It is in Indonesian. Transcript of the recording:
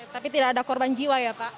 tapi tidak ada korban jiwa ya pak